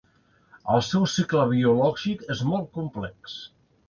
El seu cicle biològic és molt complex.